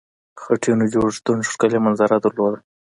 خټینو جوړښتونو ښکلې منظره درلوده.